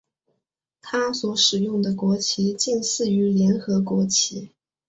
它所使用的国旗近似于联合国旗。